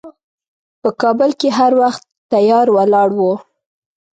په کابل کې هر وخت تیار ولاړ و.